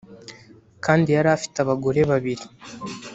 kandi yari afite abagore babiri